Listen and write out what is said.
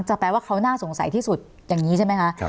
แปลว่าเขาน่าสงสัยที่สุดอย่างนี้ใช่ไหมคะ